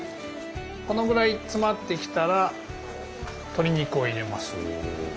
このぐらい詰まってきたら鶏肉を入れます。